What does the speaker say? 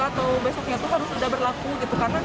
atau besoknya tuh harus sudah berlaku gitu